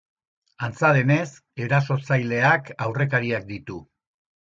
Antza denez, erasotzaileak aurrekariak ditu.